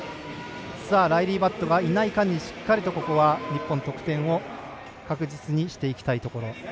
ライリー・バットがいない間に日本はしっかり得点を確実にしていきたいところ。